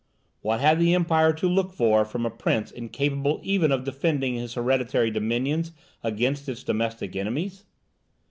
What had the Empire to look for from a prince incapable even of defending his hereditary dominions against its domestic enemies?